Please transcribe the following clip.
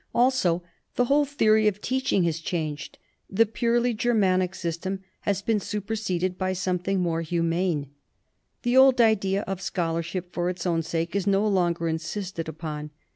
"Also, the whole theory of teaching has changed. The purely Germanic system has been superseded by something more humane. The old idea of scholarship for its own sake is no longer insisted upon.